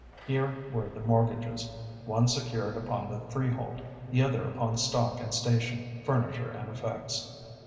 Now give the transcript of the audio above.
Here were the mortgages. One secured upon the freehold, the other upon stock and station, furniture and effects.